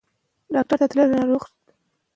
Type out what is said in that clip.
پښتو په ټولګي کې اورېدل کېږي.